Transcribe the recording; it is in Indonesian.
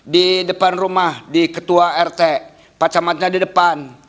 di depan rumah di ketua rt pak camatnya di depan